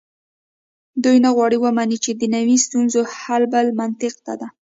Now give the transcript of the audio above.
دوی نه غواړي ومني چې دنیوي ستونزو حل بل منطق ته ده.